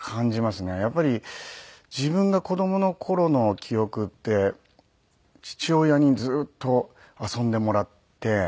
やっぱり自分が子供の頃の記憶って父親にずーっと遊んでもらって。